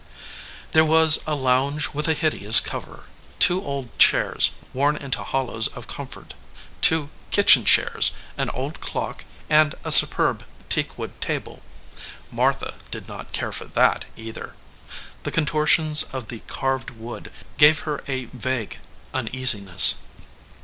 There was a lounge with a hideous cover, two old chairs worn into hollows of comfort, two kitchen chairs, an old clock, and a superb teak wood table. Martha did not care for that, either. The contortions of the carved wood gave lier a vague uneasiness.